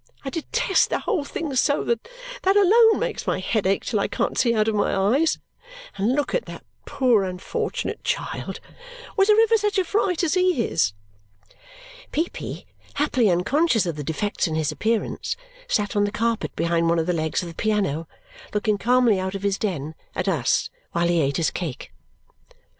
I detest the whole thing so that that alone makes my head ache till I can't see out of my eyes. And look at that poor unfortunate child! Was there ever such a fright as he is!" Peepy, happily unconscious of the defects in his appearance, sat on the carpet behind one of the legs of the piano, looking calmly out of his den at us while he ate his cake.